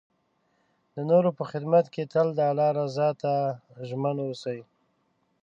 د نور په خدمت کې تل د الله رضا ته ژمن اوسئ.